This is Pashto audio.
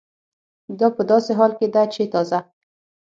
دا په داسې حال کې ده چې تازه